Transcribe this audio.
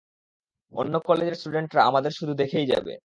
অন্য কলেজের স্টুডেন্টরা আমাদের শুধু দেখেই যাবে।